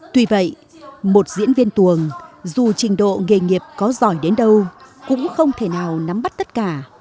tuy vậy một diễn viên tuồng dù trình độ nghề nghiệp có giỏi đến đâu cũng không thể nào nắm bắt tất cả